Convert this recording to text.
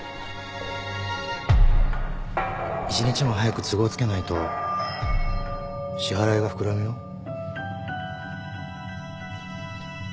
１日も早く都合つけないと支払いが膨らむよ。